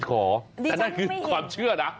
ดิฉันไม่เห็นแต่นั่นคือความเชื่อนะ